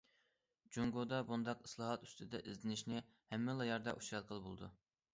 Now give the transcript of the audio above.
جۇڭگودا بۇنداق ئىسلاھات ئۈستىدە ئىزدىنىشنى ھەممىلا يەردە ئۇچراتقىلى بولىدۇ.